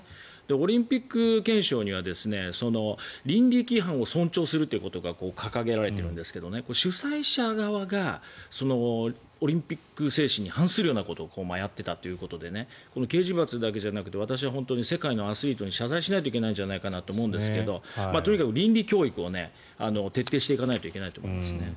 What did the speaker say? オリンピック憲章には倫理規範を尊重するということが掲げられているんですが主催者側がオリンピック精神に反するようなことをやっていたということで刑事罰だけじゃなくて私は世界のアスリートに謝罪しないといけないんじゃないかと思いますがとにかく倫理教育を徹底していかないといけないと思いますね。